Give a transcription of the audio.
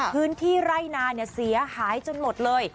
พื้นที่ไร่นาเสียหายจนหมดเลย